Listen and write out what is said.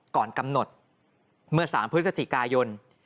ก่อนกำหนดเมื่อ๓พฤศจิกายน